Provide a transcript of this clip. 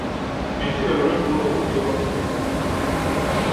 Entebbe olwegulo obudde buba bunnyogovu.